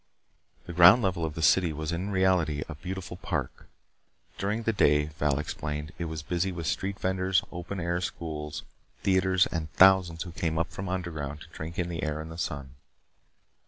The ground level of the city was in reality a beautiful park. During the day, Val explained, it was busy with street vendors, open air schools, theaters, and thousands who came up from underground to drink the air and the sun.